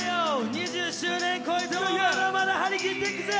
２０周年、まだまだ張り切っていくぜ！